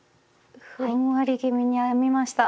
ふんわり気味に編みました。